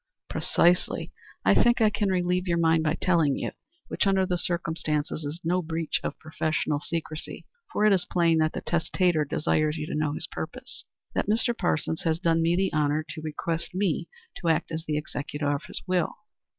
"Precisely. I think I can relieve your mind by telling you which under the circumstances is no breach of professional secrecy, for it is plain that the testator desires you to know his purpose that Mr. Parsons has done me the honor to request me to act as the executor of his will.